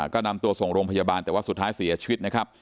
ก็นำตัวส่งโรงพยาบาลแต่ว่าสุดท้ายเสียชีวิตนะครับ